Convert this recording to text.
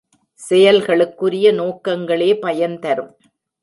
செயல்களுக்குரிய நோக்கங்களே பயன்தரும்.